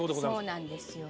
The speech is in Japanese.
そうなんですよ。